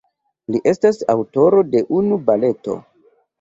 Li estas aŭtoro de unu baleto.